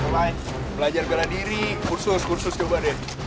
mulai belajar gara diri kursus kursus coba deh